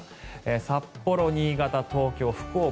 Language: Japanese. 札幌、新潟、東京、福岡。